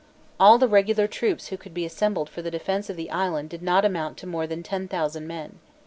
All the regular troops who could be assembled for the defence of the island did not amount to more than ten thousand men.